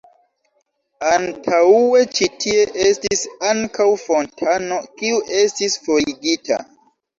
Antaŭe ĉi tie estis ankaŭ fontano, kiu estis forigita.